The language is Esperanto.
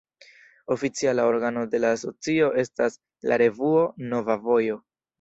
Oficiala organo de la asocio estas la revuo "Nova Vojo".